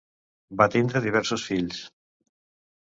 Va tindre diversos fills.